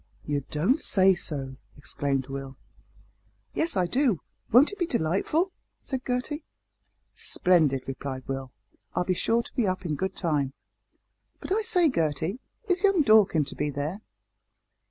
"You don't say so!" exclaimed Will. "Yes, I do; won't it be delightful?" said Gertie. "Splendid," replied Will, "I'll be sure to be up in good time. But, I say, Gertie, is young Dorkin to be there?"